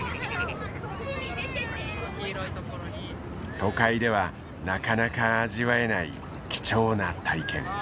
都会ではなかなか味わえない貴重な体験。